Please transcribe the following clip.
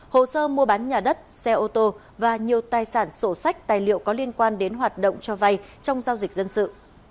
hồ sơ mua bán nhà đất xe ô tô và nhiều tài sản sổ sách tài liệu có liên quan đến hoạt động cho vay trong giao dịch dân sự